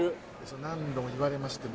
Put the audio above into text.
何度も言われましても。